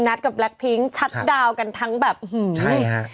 นัดกับแบล็คพลิ้งชัดดาวน์กันทั้งแบบใช่ฮะ